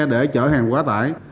để chở hàng quá tải